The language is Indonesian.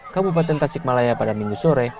kabupaten tasikmalaya pada minggu sore